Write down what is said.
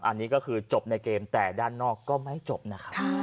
อันนี้ก็คือจบในเกมแต่ด้านนอกก็ไม่จบนะครับ